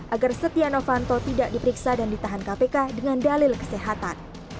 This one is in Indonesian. agar setia novanto tidak diperiksa dan ditahan kpk dengan dalil kesehatan